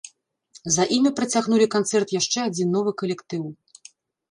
За імі працягнулі канцэрт яшчэ адзін новы калектыў.